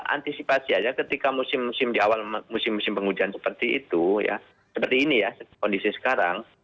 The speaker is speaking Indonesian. antisipasi aja ketika musim musim di awal musim musim penghujan seperti itu ya seperti ini ya kondisi sekarang